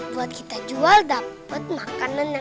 buat kita jual dapat makanan yang enak